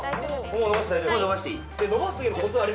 もう伸ばしていい？